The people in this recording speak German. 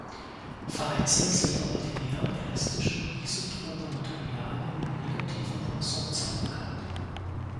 Vereinzelt sind auch linear-elastische, isotrope Materialien mit negativer Poissonzahl bekannt.